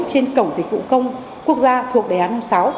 trên cổng dịch vụ công quốc gia thuộc đề án sáu